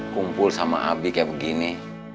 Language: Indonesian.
kumpul sama abi kayak begini